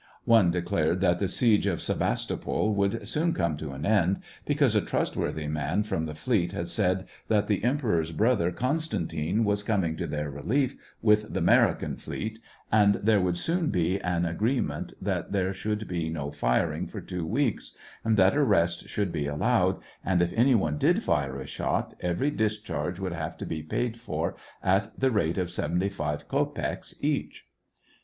One declared that the siege of Sevastopol would soon come to an end, because a trustworthy man from the fleet had said that the emperor's brother Constantine was coming to our relief with the 'Merican fleet, and there would soon be an agree ment that there should be no firing for two weeks, and that a rest should be allowed, and if any one did fire a shot, every discharge would have to be paid for at the rate of seventy five kopeks each.